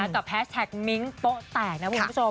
กับแพสเทคมิ้งก์โตะแตกนะคุณผู้ชม